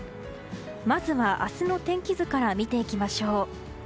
まずは明日の天気図から見ていきましょう。